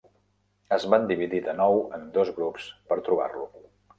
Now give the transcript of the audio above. Es van dividir de nou en dos grups per trobar-lo.